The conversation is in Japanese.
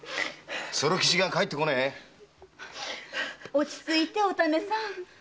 落ち着いておたねさん。